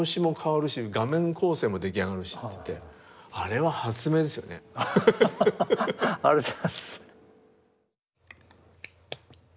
はははありがとうございます。